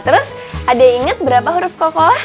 terus ada yang inget berapa huruf kokolah